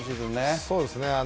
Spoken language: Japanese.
そうですね。